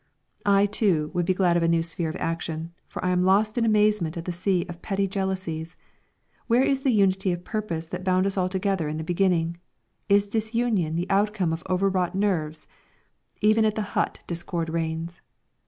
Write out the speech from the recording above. I too would be glad of a new sphere of action, for I am lost in amazement at the sea of petty jealousies. Where is the unity of purpose that bound us all together in the beginning? Is disunion the outcome of overwrought nerves? Even at the hut discord reigns.